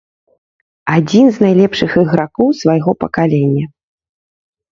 Адзін з найлепшых ігракоў свайго пакалення.